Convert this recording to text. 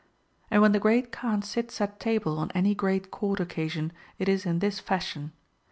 And when the Great Kaan sits at table on any great court occasion, it is in this fashion.